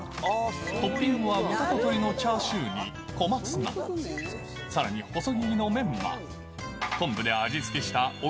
トッピングは豚と鶏のチャーシューに小松菜、さらに細切りのメンマ、昆布で味付けした奥